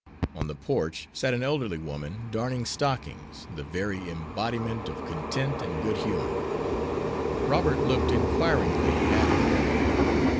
On the porch sat an elderly woman, darning stockings, the very embodiment of content and good humor. Robert looked inquiringly at her.